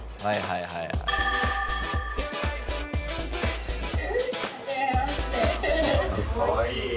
はいはいはいはい。